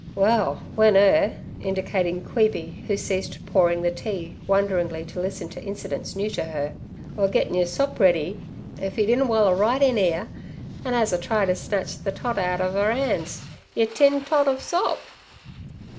'Well, w'en 'er'—indicating Queeby, who ceased pouring the tea wonderingly to listen to incidents new to her—'were gettin' your sop ready, if 'e didn' waller right in 'ere, an' 'as a try ter snatch ther tot out ov 'er 'ands, yer tin tot ov sop.'